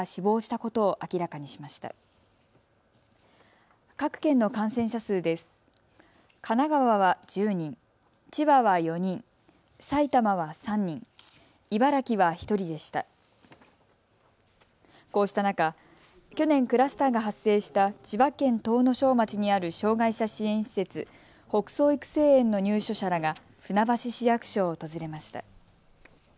こうした中、去年、クラスターが発生した千葉県東庄町にある障害者支援施設、北総育成園の入所者らが船橋市役所を訪れました。